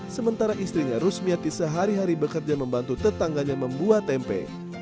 sementara istrinya rusmiati sehari hari bekerja membantu tetangganya membuat tempe